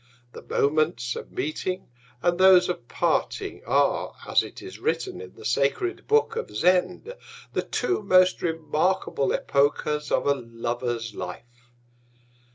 The Moments of Meeting, and those of Parting, are (as it is written in the sacred Book of Zend) the two most remarkable Epochas of a Lover's Life.